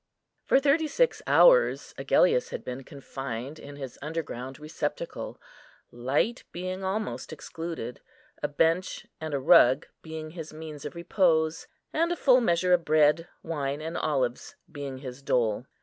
For thirty six hours Agellius had been confined in his underground receptacle, light being almost excluded, a bench and a rug being his means of repose, and a full measure of bread, wine, and olives being his dole.